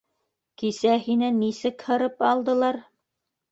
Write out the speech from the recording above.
— Кисә һине нисек һырып алдылар.